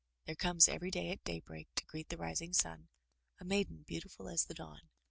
There comes every day at daybreak to greet the rising sun, a maiden beautiful as the dawn.''